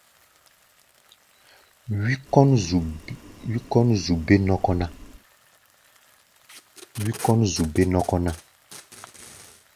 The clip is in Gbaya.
Wí kɔ́n zu bé-nɔ́kɔ́ ná.